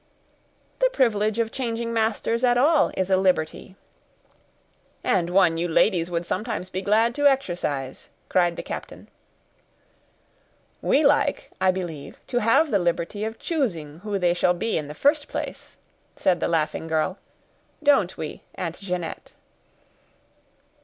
"The privilege of changing masters at all is a liberty." "And one you ladies would sometimes be glad to exercise," cried the captain. "We like, I believe, to have the liberty of choosing who they shall be in the first place," said the laughing girl. "Don't we, Aunt Jeanette?"